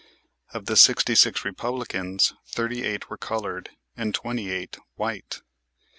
Of the sixty six Republicans thirty eight were colored and twenty eight, white.